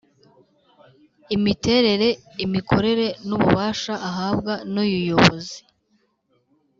imiterere imikorere n ububasha ahabwa nuyuyobozi